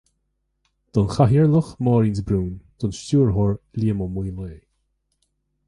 don Chathaoirleach Máirín de Brún; don Stiúrthóir Liam Ó Maolaodha